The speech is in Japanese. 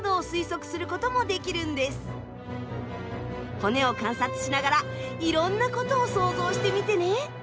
骨を観察しながらいろんなことを想像してみてね。